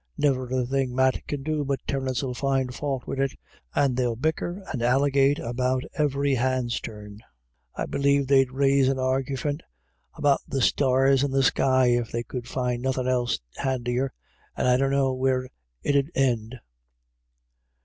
Niver a thing Matt can do but Terence '11 find fau't wid it, and they'll bicker and allegate about every hand's turn ; I believe they'd raise an argufyment about the stars in the sky, if they could find nothin' else handier ; and I dunno where it'll ind."